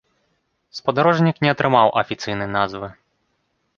Спадарожнік не атрымаў афіцыйнай назвы.